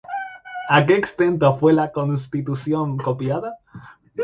¿A qué extenso fue la Constitución copiada?